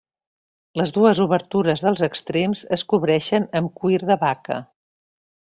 Les dues obertures dels extrems es cobreixen amb cuir de vaca.